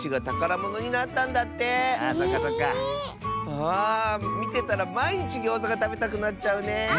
ああみてたらまいにちギョーザがたべたくなっちゃうねえ。